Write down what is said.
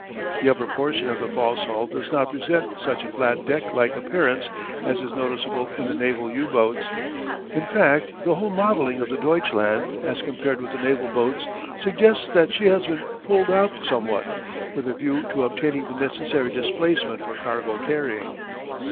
The upper portion of the false hull does not present such a flat deck like appearance as is noticeable in the naval U boats. In fact, the whole modelling of the Deutschland, as compared with the naval boats, suggests that she has been fulled out somewhat, with a view to obtaining the necessary displacement for cargo carrying.